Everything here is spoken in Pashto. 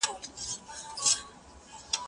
کېدای شي زه سبا درس ولولم؟